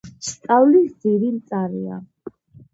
სწავლის ძირი მწარეა